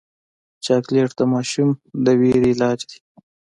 چاکلېټ د ماشوم د ویرې علاج دی.